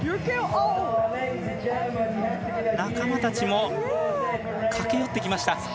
仲間たちも駆け寄ってきました。